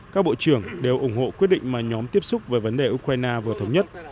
các bộ trưởng đều ủng hộ quyết định mà nhóm tiếp xúc về vấn đề ukraine vừa thống nhất